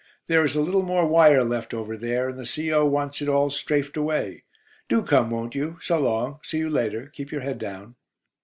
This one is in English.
There is a little more wire left over there, and the C.O. wants it all 'strafed' away. Do come, won't you? So long. See you later. Keep your head down."